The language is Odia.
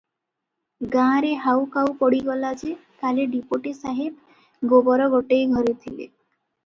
ଗାଁରେ ହାଉ କାଉ ପଡ଼ିଗଲା ଯେ, କାଲି ଡିପୋଟି ସାହେବ ଗୋବର ଗୋଟେଇ ଘରେ ଥିଲେ ।